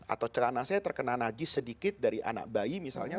atau celana saya terkena najis sedikit dari anak bayi misalnya